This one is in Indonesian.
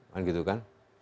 kan gitu kan